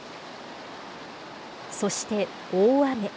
そして、大雨。